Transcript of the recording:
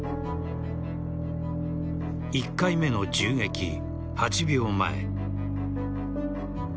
１回目の銃撃８秒前。